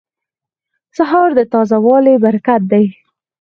سهار د تازه والي برکت دی.